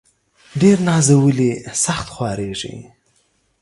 ډير نازولي ، سخت خوارېږي.